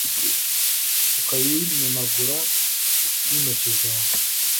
ukayimenagura n'intoki zawe